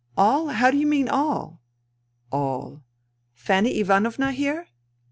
" All ! How do you mean all ?"" Aiir " Fanny Ivanovna here ?